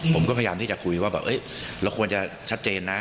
ผมก็พยายามที่จะคุยว่าแบบเราควรจะชัดเจนนะ